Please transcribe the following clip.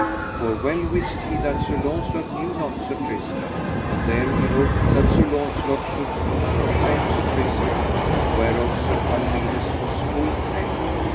For well wist he that Sir Launcelot knew not Sir Tristram, and there he hoped that Sir Launcelot should beat or shame Sir Tristram, whereof Sir Palomides was full fain.